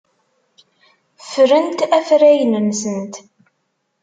Ffrent afrayen-nsent.